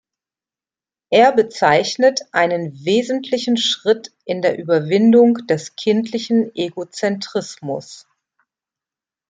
Er bezeichnet einen wesentlichen Schritt in der Überwindung des kindlichen Egozentrismus.